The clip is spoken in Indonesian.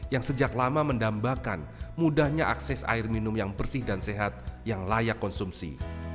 yang sejak lama mendambakan mudahnya akses air minum yang bersih dan sehat yang layak konsumsi